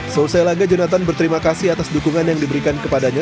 selesai laga jonathan berterima kasih atas dukungan yang diberikan kepadanya